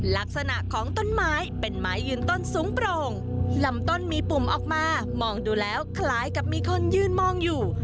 ลักษณะของต้นไม้เป็นไม้ยืนต้นสูงโปร่งลำต้นมีปุ่มออกมามองดูแล้วคล้ายกับมีคนยืนมองอยู่